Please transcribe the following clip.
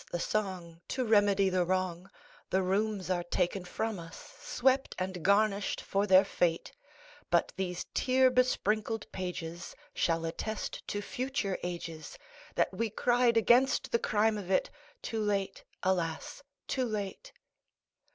the song To remedy the wrong;â The rooms are taken from us, swept and garnished for their fate, But these tear besprinkled pages Shall attest to future ages That we cried against the crime of itâtoo late, alas! too late!